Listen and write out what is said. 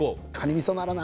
みそならな。